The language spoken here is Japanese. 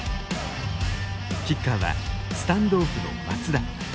キッカーはスタンドオフの松田。